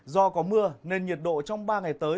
do có mưa nên nhiệt độ trong ba ngày tới